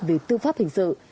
vì tư pháp hình sự